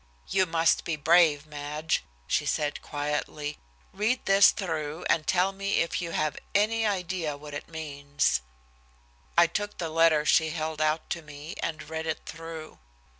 "You must be brave, Madge," she said quietly. "Read this through and tell me if you have any idea what it means." I took the letter she held out to me, and read it through.